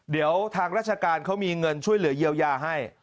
เดี๋ยวทางราชการเขามีเงินช่วยเหลือเยียวยาให้